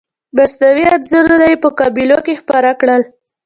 مصنوعي انځورونه یې په قبایلو کې خپاره کړل.